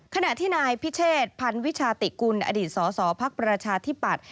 ขณะที่นายพิเชษพันวิชาติกุลอดีตสสพักประชาธิปัตย